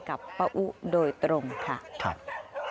กับป้าอูโดยตรงค่ะค่ะใช่ค่ะ